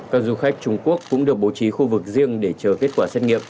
các du khách trung quốc cũng được bố trí khu vực riêng để chờ kết quả xét nghiệm